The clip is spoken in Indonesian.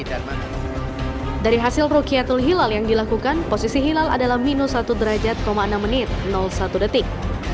dari hasil rukyatul hilal yang dilakukan posisi hilal adalah minus satu derajat enam menit satu detik